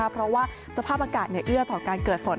เพราะว่าสภาพอากาศเอื้อต่อการเกิดฝน